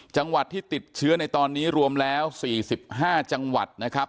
จังหวัดที่ติดเชื้อในตอนนี้รวมแล้ว๔๕จังหวัดนะครับ